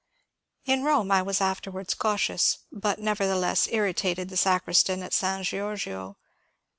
In Rome I was afterwards cautious, but nevertheless irri tated the sacristan at S. Georgio.